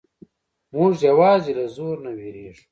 موږ یوازې له زور نه وېریږو.